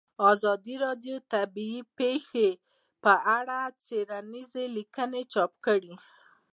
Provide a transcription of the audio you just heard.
ازادي راډیو د طبیعي پېښې په اړه څېړنیزې لیکنې چاپ کړي.